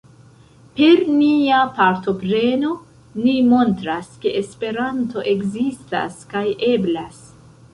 Per nia partopreno, ni montras ke Esperanto ekzistas kaj eblas.